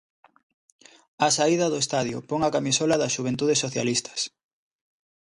Á saída do estadio, pon a camisola das Xuventudes Socialistas...